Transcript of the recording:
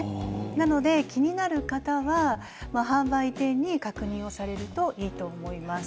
なので、気になる方は販売店に確認をされるといいと思います。